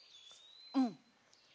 うん。